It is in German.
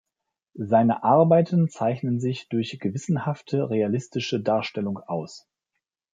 Seine Arbeiten zeichnen sich durch gewissenhafte realistische Darstellung aus.